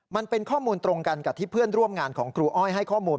มันเป็นข้อมูลตรงกันกับที่เพื่อนร่วมงานของครูอ้อยให้ข้อมูล